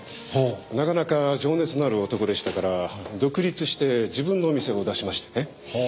なかなか情熱のある男でしたから独立して自分のお店を出しましてね。